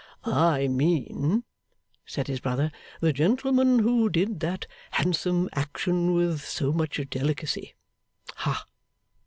'I mean,' said his brother, 'the gentleman who did that handsome action with so much delicacy. Ha!